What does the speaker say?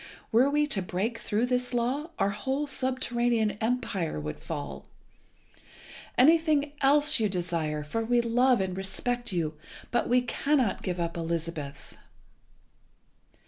Were we to break through this law our whole subterranean empire would fall. Anything else you desire, for we love and respect you, but we cannot give up Elizabeth."